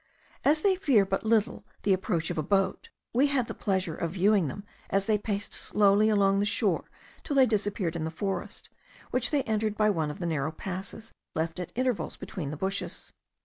As they fear but little the approach of a boat, we had the pleasure of viewing them as they paced slowly along the shore till they disappeared in the forest, which they entered by one of the narrow passes left at intervals between the bushes.